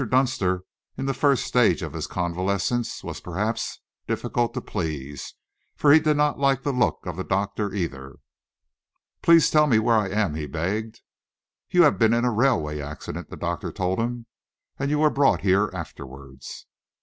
Dunster, in this first stage of his convalescence, was perhaps difficult to please, for he did not like the look of the doctor, either. "Please tell me where I am?" he begged. "You have been in a railway accident," the doctor told him, "and you were brought here afterwards."